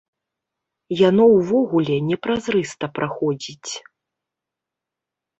Яно ўвогуле непразрыста праходзіць.